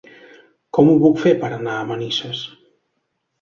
Com ho puc fer per anar a Manises?